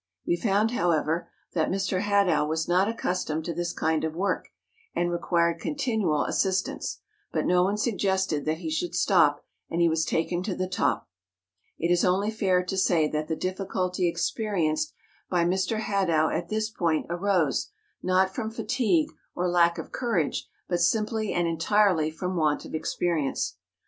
We found, however, that Mr. Hadow was not accustomed to this kind of work, and re¬ quired continual assistance; but no one suggested that he should stop, and he was taken to the top. It is onl}' fair to say that the difficulty experienced by Mr. Hadow at this part arose, not from fatigue or lack of courage, but simply and entirely from want of experience. Mr.